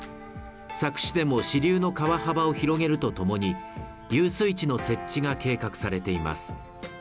佐久市でも支流の川幅を広げるとともに遊水地の設置が計画されています